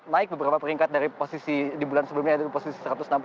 naik beberapa peringkat dari posisi di bulan sebelumnya yaitu di posisi satu ratus enam puluh